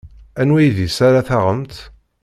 Anwa idis ara taɣemt?